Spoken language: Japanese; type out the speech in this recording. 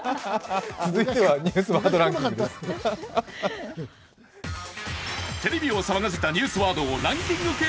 続いては「ニュースワードランキング」。